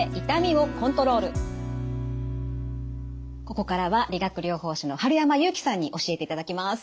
ここからは理学療法士の春山祐樹さんに教えていただきます。